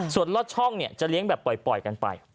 ส่วนลอดช่องเนี่ยจะเลี้ยงแบบปล่อยกันไป